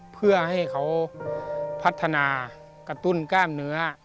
เพื่อให้เขาพัฒนากระตุ้นกล้ามเนื้อ